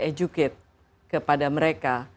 educate kepada mereka